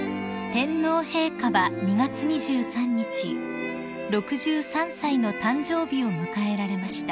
［天皇陛下は２月２３日６３歳の誕生日を迎えられました］